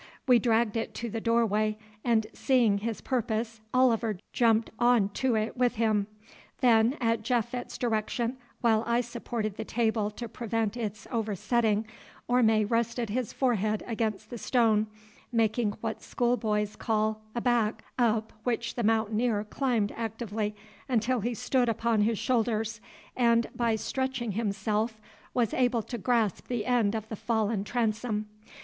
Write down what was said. We dragged it to the doorway, and, seeing his purpose, Oliver jumped on to it with him. Then at Japhet's direction, while I supported the table to prevent its oversetting, Orme rested his forehead against the stone, making what schoolboys call "a back," up which the mountaineer climbed actively until he stood upon his shoulders, and by stretching himself was able to grasp the end of the fallen transom.